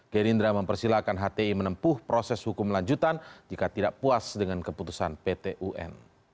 gerindra mempersilahkan hti menempuh proses hukum lanjutan jika tidak puas dengan keputusan pt un